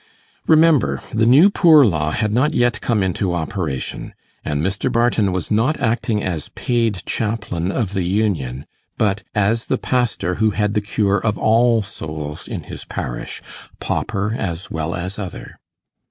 Remember, the New Poor law had not yet come into operation, and Mr. Barton was not acting as paid chaplain of the Union, but as the pastor who had the cure of all souls in his parish, pauper as well as other.